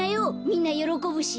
みんなよろこぶし。